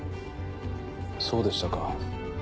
そうでしたか。